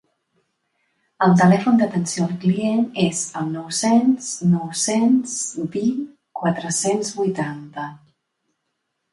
El telèfon d'atenció al client és el nou-cents nou-cents vint quatre-cents vuitanta.